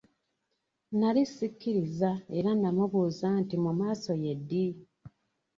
Nali sikikiriza era naamubuuza nti mu maaso ye ddi?